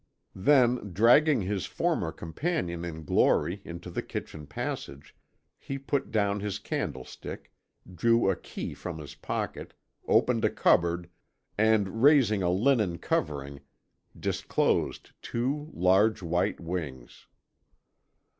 Then, dragging his former companion in glory into the kitchen passage, he put down his candlestick, drew a key from his pocket, opened a cupboard, and, raising a linen covering, disclosed two large white wings.